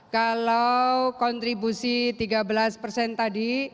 kalau kontribusi tiga belas persen tadi